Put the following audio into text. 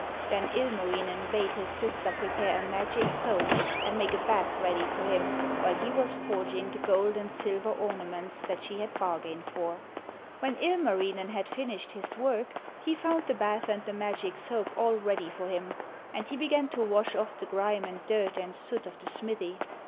Then Ilmarinen bade his sister prepare a magic soap and make a bath ready for him while he was forging the gold and silver ornaments that she had bargained for. When Ilmarinen had finished his work he found the bath and the magic soap all ready for him, and he began to wash off the grime and dirt and soot of the smithy.